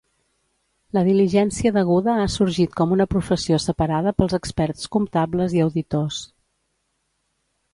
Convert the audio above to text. La diligència deguda ha sorgit com una professió separada pels experts comptables i auditors.